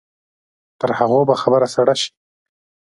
تر هغو به خبره سړه شي.